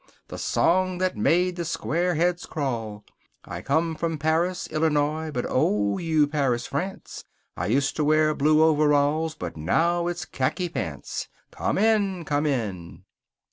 THE SONG THAT MADE THE SQUAREHEADS CRAWL! "I COME FROM PARIS, ILLINOIS, BUT OH! YOU PARIS, FRANCE! I USED TO WEAR BLUE OVERALLS BUT NOW IT'S KHAKI PANTS." COME IN! COME IN!